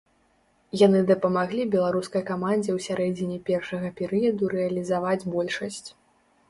Яны дапамаглі беларускай камандзе ў сярэдзіне першага перыяду рэалізаваць большасць.